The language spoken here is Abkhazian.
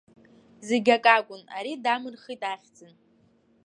Зегь акакәын, ари дамырхит ахьӡын.